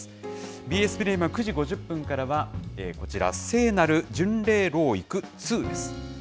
ＢＳプレミアム、９時５０分からは、こちら、聖なる巡礼路を行く２です。